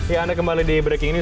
ya anda kembali di breaking news